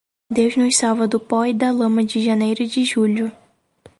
Deus nos salva do pó e da lama de janeiro de julho.